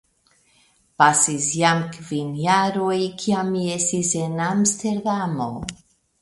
Pasis jam kvin jaroj, kiam mi estis en Amsterdamo.